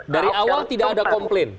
dari awal tidak ada komplain